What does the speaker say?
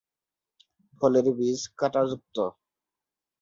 ফলের বীজ কাঁটাযুক্ত।